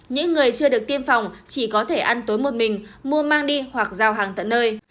những người chưa được tiêm phòng chỉ có thể ăn tối một mình mua mang đi hoặc giao hàng tận nơi